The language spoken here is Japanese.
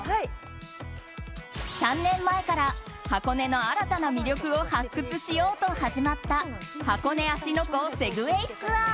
３年前から箱根の新たな魅力を発掘しようと始まった箱根芦ノ湖セグウェイツアー。